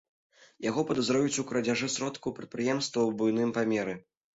Яго падазраюць у крадзяжы сродкаў прадпрыемства ў буйным памеры.